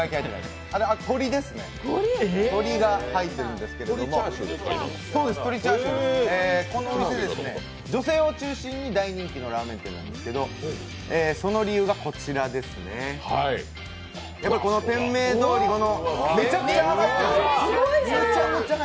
あれは鶏です、鶏チャーシューが入ってるんですけれども、この店、女性を中心に大人気のラーメン店なんですけれども、その理由がこちらですね、店名どおりめちゃくちゃ入ってるんです。